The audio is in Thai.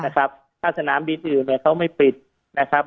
ถ้าสนามบินอื่นเขาไม่ปิดนะครับ